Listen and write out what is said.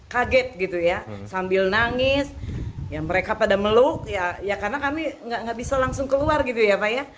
kaget gitu ya sambil nangis mereka pada meluk ya karena kami nggak bisa langsung keluar gitu ya pak ya